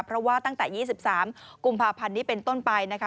เพราะว่าตั้งแต่๒๓กุมภาพันธ์นี้เป็นต้นไปนะคะ